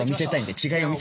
違います。